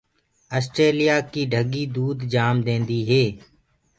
اسٽيليِآ ڪي ڍڳي دود جآم ديندي هي۔